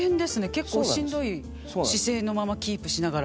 結構しんどい姿勢のままキープしながら。